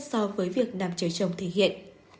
so với việc nàm chờ chồng thể hiện